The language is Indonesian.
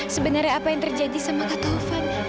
sebenarnya apa yang terjadi sama kak taufan